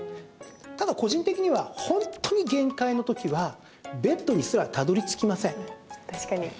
ただ、個人的には本当に限界の時はベッドにすらたどり着きません。